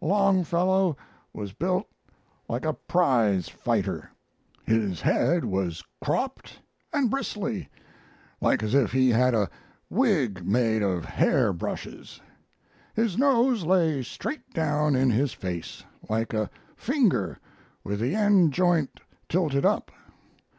Longfellow was built like a prize fighter. His head was cropped and bristly, like as if he had a wig made of hair brushes. His nose lay straight down in his face, like a finger with the end joint tilted up.